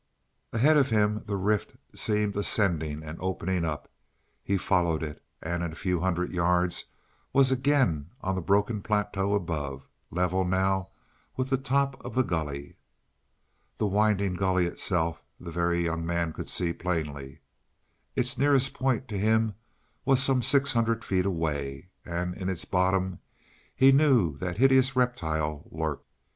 Ahead of him, the rift seemed ascending and opening up. He followed it, and in a few hundred yards was again on the broken plateau above, level now with the top of the gully. The winding gully itself, the Very Young Man could see plainly. Its nearest point to him was some six hundred feet away; and in its bottom he knew that hideous reptile lurked.